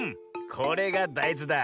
これがだいずだ。